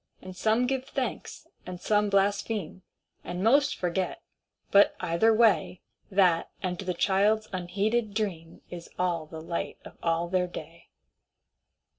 And give some thanks, and some blaspheme, And most forget, but, either way, That and the child's unheeded dream Is all the light of all their day.